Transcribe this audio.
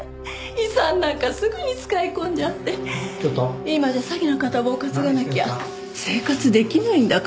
遺産なんかすぐに使い込んじゃって今じゃ詐欺の片棒担がなきゃ生活できないんだから。